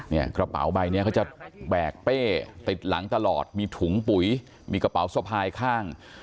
กระเป๋าใบเนี้ยเขาจะแบกเป้ติดหลังตลอดมีถุงปุ๋ยมีกระเป๋าสะพายข้าง